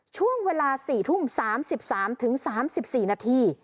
ช่วงเวลา๔ทุ่ม๓๓๔นาที